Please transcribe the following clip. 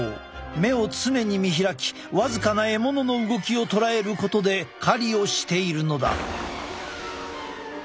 目を常に見開き僅かな獲物の動きを捉えることで狩りをしているのだ。